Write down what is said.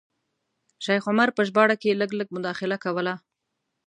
شیخ عمر په ژباړه کې لږ لږ مداخله کوله.